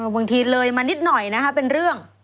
บางทีเลยมานิดหน่อยนะคะเป็นเรื่อง